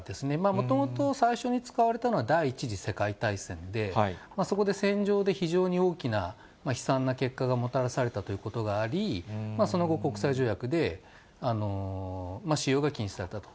もともと最初に使われたのは第１次世界大戦で、そこで戦場で非常に大きな悲惨な結果がもたらされたということがあり、その後、国際条約で使用が禁止されたと。